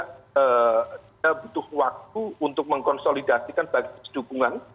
kita butuh waktu untuk mengkonsolidasikan bagi sedukungan